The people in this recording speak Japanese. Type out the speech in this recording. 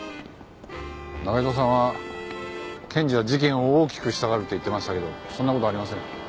仲井戸さんは検事は事件を大きくしたがるって言ってましたけどそんな事ありません。